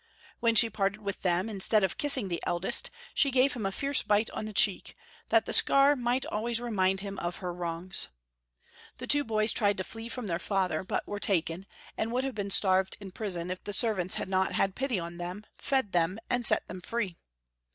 When she parted with them, instead of kissing the 201 202 Young Folks* History of Qermany. eldest, she gave him a fierce bite on the cheek, that the scar might always remind him of her wrongs. The two boys tried to flee from their father, buti were taken, and would have been starved in prison if the servants had not had pity on them, fed them, and set them free.